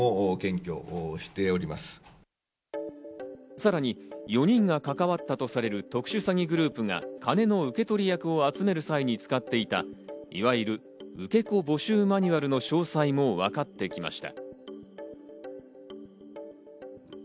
さらに４人が関わったとされる特殊詐欺グループが金の受け取り役を集める際に使っていた、いわゆる受け子募集マニュアルの詳細もわかってきました。